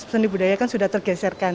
seni budaya kan sudah tergeserkan